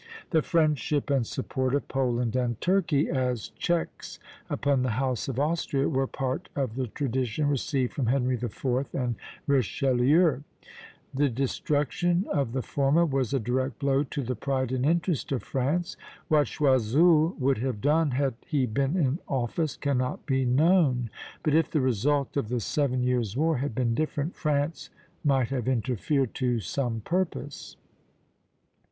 The friendship and support of Poland and Turkey, as checks upon the House of Austria, were part of the tradition received from Henry IV. and Richelieu; the destruction of the former was a direct blow to the pride and interest of France. What Choiseul would have done had he been in office, cannot be known; but if the result of the Seven Years' War had been different, France might have interfered to some purpose.